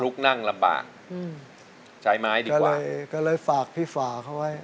นั่งลำบากอืมใช้ไม้ดีกว่าใช่ก็เลยฝากพี่ฝาเขาไว้